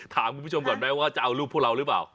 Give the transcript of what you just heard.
ถามคุณผู้ชมก่อนไหมว่าจะเอารูปพวกเราหรือเปล่า